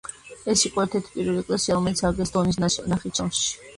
ეს იყო ერთ-ერთი პირველი ეკლესია, რომელიც ააგეს დონის ნახიჩევანში.